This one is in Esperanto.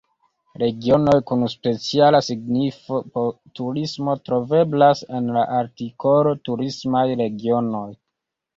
Regionoj kun speciala signifo por turismo troveblas en la artikolo turismaj regionoj.